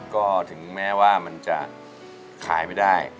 ก็ถึงแม้ว่ามันจะขายไม่ได้